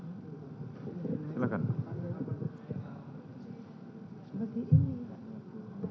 bagi ini tidak mengerti apa apa tidak mengerti gimana